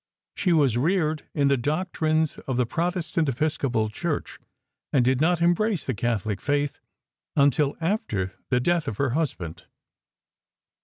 She was reared in the doctrines of the Protestant Episcopal Church and did not embrace the Catholic faith until after the death of her husband.